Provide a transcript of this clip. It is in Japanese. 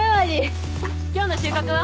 今日の収穫は？